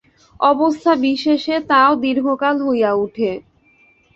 অবস্থা বিশেষে তাও দীর্ঘকাল হইয়া উঠে।